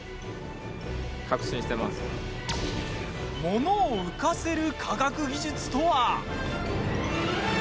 物を浮かせる科学技術とは？